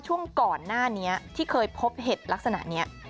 ช่วงก่อนหน้านี้ที่เคยพบเห็ดลักษณะนี้